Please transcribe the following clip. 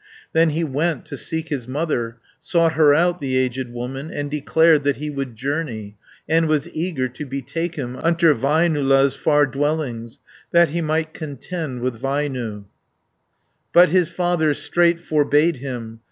Then he went to seek his mother; Sought her out, the aged woman, And declared that he would journey, And was eager to betake him, Unto Väinölä's far dwellings, That he might contend with Väinö. 40 But his father straight forbade him.